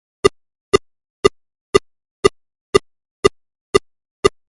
Moliner i no lladre és una cosa admirable.